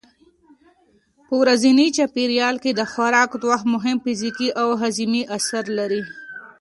په ورځني چاپېریال کې د خوراک وخت مهم فزیکي او هاضمي اثر لري.